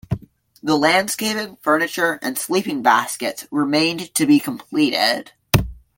The landscaping, furniture and sleeping baskets remained to be completed.